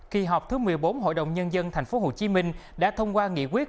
kỳ họp thứ một mươi bốn hội đồng nhân dân tp hcm đã thông qua nghị quyết